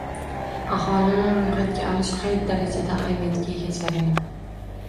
Aholini ro‘yxatga olish qay darajada ahamiyatga ega jarayon?